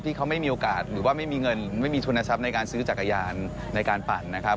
ที่เขาไม่มีโอกาสหรือว่าไม่มีเงินไม่มีทุนทรัพย์ในการซื้อจักรยานในการปั่นนะครับ